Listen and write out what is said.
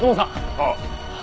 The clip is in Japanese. ああ。